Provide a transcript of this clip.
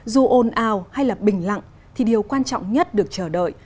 dù ồn ào hay là bình lặng thì điều quan trọng nhất được chờ đợi